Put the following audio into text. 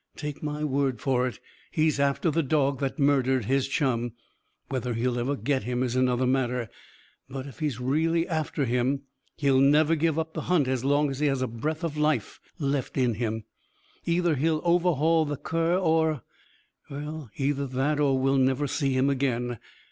Take my word for it, he is after the dog that murdered his chum. Whether he'll ever get him, is another matter. But, if he really is after him, he'll never give up the hunt, as long as he has a breath of life left in him. Either he'll overhaul the cur or well, either that or we'll never see him again.